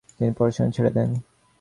তিনি পড়াশোনা ছেড়ে দেন।